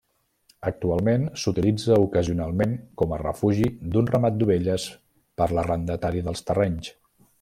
Actualment s'utilitza ocasionalment com a refugi d'un ramat d'ovelles per l'arrendatari dels terrenys.